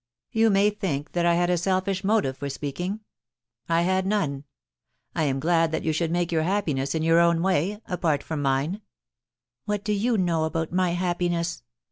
You may think that I had a selfish motive for speaking. I had none. I am glad that you should make your happiness in your own way — apart from mine.* * What do you know about my happiness